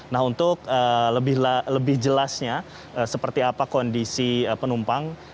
nah untuk lebih jelasnya seperti apa kondisi penumpang